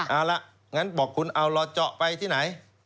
เอาละงั้นบอกคุณเอารอเจาะไปที่ไหน